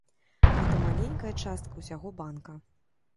Гэта маленькая частка ўсяго банка.